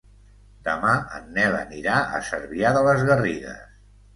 Demà en Nel anirà a Cervià de les Garrigues.